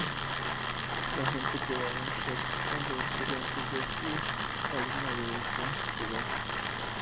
La gente quedaba en shock cuando descubrían que yo fui alumna de ese lugar.